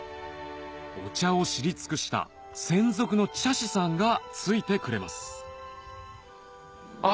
お茶を知り尽くした専属の茶師さんが付いてくれますあ